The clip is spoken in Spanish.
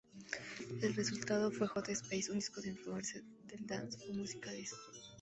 El resultado fue Hot Space, un disco con influencias del Dance o música Disco.